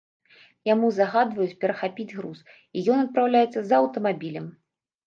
Яму загадваюць перахапіць груз, і ён адпраўляецца за аўтамабілем.